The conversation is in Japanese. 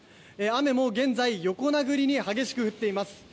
「雨は現在横殴りに激しく降っています」